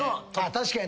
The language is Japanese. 確かに。